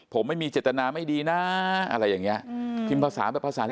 ผมไม่มีเจตนาไม่ดีน่าอะไรอย่างเงี้ยอืมพิมพ์ภาษาแบบภาษาเล่นเล่น